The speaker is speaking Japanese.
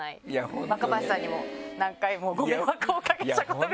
若林さんにも何回もご迷惑をおかけしたことが。